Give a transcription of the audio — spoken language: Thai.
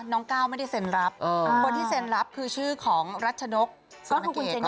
น้องก้าวไม่ได้เซ็นรับคนที่เซ็นรับคือชื่อของรัชนกสุนเกต